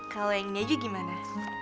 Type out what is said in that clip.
kalau yang ini aja gimana